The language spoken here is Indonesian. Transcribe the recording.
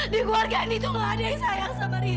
di keluarga ini tuh gak ada yang sayang sama riri